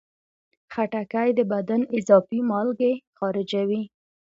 خټکی د بدن اضافي مالګې خارجوي.